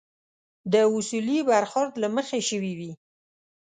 د اصولي برخورد له مخې شوي وي.